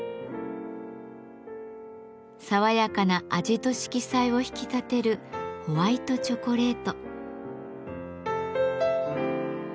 爽やかな味と色彩を引き立てるホワイトチョコレート。